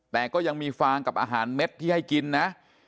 แต่ก็ยังมีฟางกับอาหารเม็ดที่ให้กินนะ